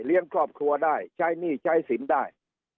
ครอบครัวได้ใช้หนี้ใช้สินได้